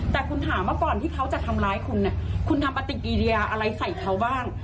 แต่คุณถามว่าก่อนที่เขาจะทำร้ายคุณเนี่ยคุณทำปฏิกิริยาอะไรใส่เขาบ้าง